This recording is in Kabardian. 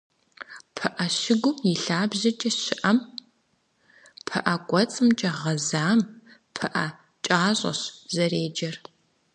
ПыӀэ щыгум и лъабжьэкӀэ щыӀэм, пыӀэ кӀуэцӀымкӀэ гъэзам, пыӏэ кӏащӏэщ зэреджэр.